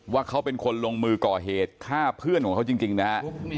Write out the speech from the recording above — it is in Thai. ว่าเขาเป็นคนลงมือก่อเหตุฆ่าเพื่อนของเขาจริงนะฮะ